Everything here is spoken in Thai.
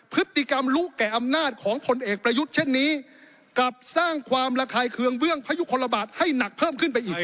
พฤติกรรมรู้แก่อำนาจของผลเอกประยุทธ์เช่นนี้กลับสร้างความระคายเคืองเบื้องพยุคลบาทให้หนักเพิ่มขึ้นไปอีก